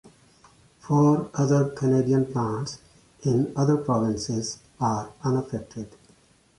Four other Canadian plants, in other provinces, are unaffected.